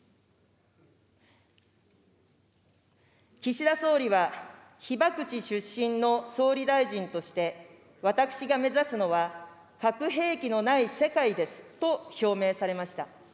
岸田総理は、被爆地出身の総理大臣として、私が目指すのは、核兵器のない世界ですと表明されました。